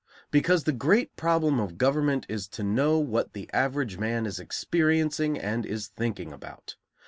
Because the great problem of government is to know what the average man is experiencing and is thinking about.